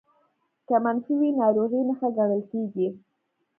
که منفي وي ناروغۍ نښه ګڼل کېږي